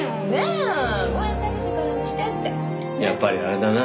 やっぱりあれだな。